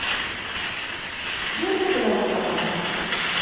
Бер ҙә генә бушамай.